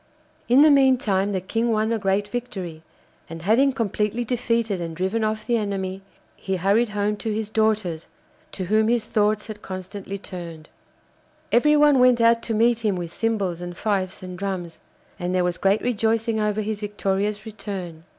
In the meantime the King won a great victory, and having completely defeated and driven off the enemy, he hurried home to his daughters, to whom his thoughts had constantly turned. Everyone went out to meet him with cymbals and fifes and drums, and there was great rejoicing over his victorious return.